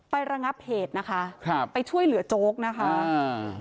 ระงับเหตุนะคะครับไปช่วยเหลือโจ๊กนะคะอ่า